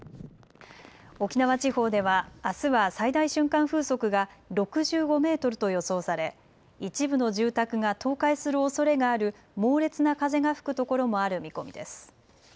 沖縄地方ではあすは最大瞬間風速が６５メートルと予想され一部の住宅が倒壊するおそれがある猛烈な風が吹くところもある見込みです。